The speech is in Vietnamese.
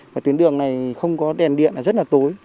và tuyến đường này không có đèn điện rất là tối